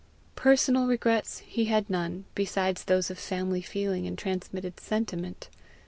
Personal regrets he had none beyond those of family feeling and transmitted SENTIMENT.